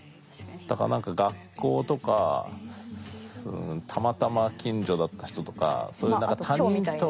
だから何か学校とかたまたま近所だった人とかそういう他人と。